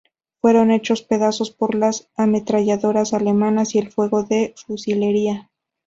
Fueron hechos pedazos por las ametralladoras alemanas y el fuego de fusilería.